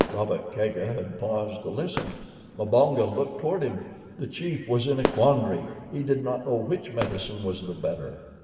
Rabba Kega had paused to listen. Mbonga looked toward him. The chief was in a quandary. He did not know which medicine was the better.